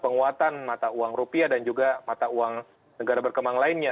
penguatan mata uang rupiah dan juga mata uang negara berkembang lainnya